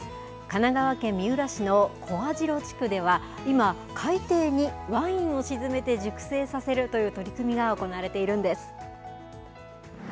神奈川県三浦市の小網代地区では、今、海底にワインを沈めて熟成させるという取り組みが行われているんです。